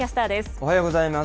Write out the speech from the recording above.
おはようございます。